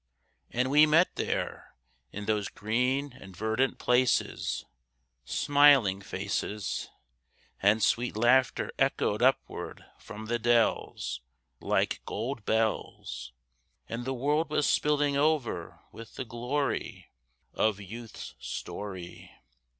And we met there, in those green and verdant places, Smiling faces, And sweet laughter echoed upward from the dells Like gold bells. And the world was spilling over with the glory Of Youth's story.